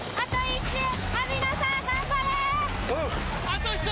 あと１周！